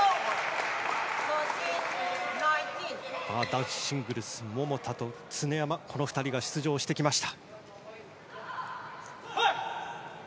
男子シングルス、桃田と常山この２人が出場してきました。